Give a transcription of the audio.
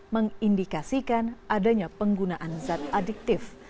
mengindikasikan adanya penggunaan zat adiktif